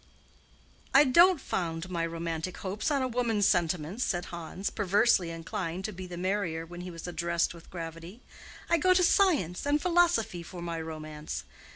"I don't found my romantic hopes on a woman's sentiments," said Hans, perversely inclined to be the merrier when he was addressed with gravity. "I go to science and philosophy for my romance.